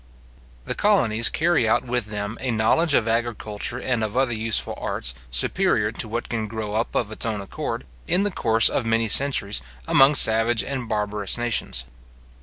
The colonies carry out with them a knowledge of agriculture and of other useful arts, superior to what can grow up of its own accord, in the course of many centuries, among savage and barbarous nations.